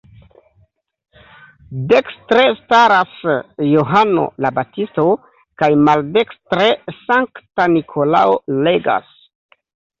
Dekstre staras Johano la Baptisto, kaj maldekstre Sankta Nikolao legas.